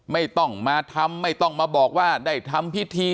ไม่ต้องมาทำไม่ต้องมาบอกว่าได้ทำพิธี